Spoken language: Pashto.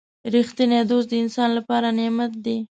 • رښتینی دوست د انسان لپاره نعمت دی.